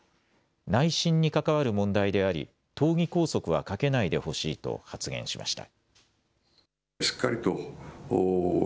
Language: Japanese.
内心に関わる問題であり党議拘束はかけないでほしいと発言しました。